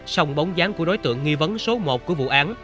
sòng bóng dáng của đối tượng nghi vấn số một của vụ án